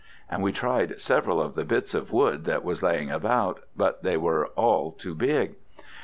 And we tried several of the bits of wood that was laying about, but they were all too big.